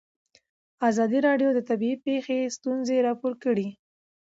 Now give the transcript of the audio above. ازادي راډیو د طبیعي پېښې ستونزې راپور کړي.